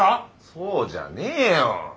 そうじゃねえよ！